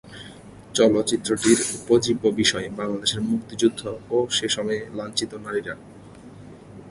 চলচ্চিত্রটির উপজীব্য বিষয় বাংলাদেশের মুক্তিযুদ্ধ ও সে সময়ে লাঞ্ছিত নারীরা।